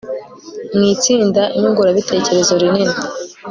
mu itsinda nyungurabitekerezo rinini